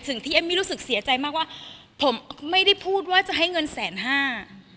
เอมมี่รู้สึกเสียใจมากว่าผมไม่ได้พูดว่าจะให้เงินแสนห้า